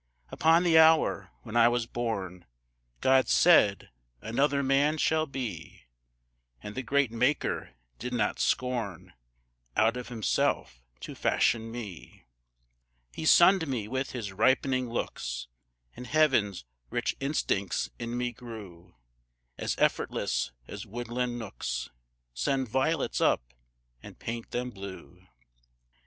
Upon the hour when I was born, God said, "Another man shall be," And the great Maker did not scorn Out of himself to fashion me; He sunned me with his ripening looks, And Heaven's rich instincts in me grew, As effortless as woodland nooks Send violets up and paint them blue.